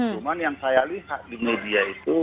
cuma yang saya lihat di media itu